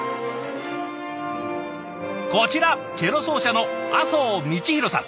こちらチェロ奏者の阿相道広さん。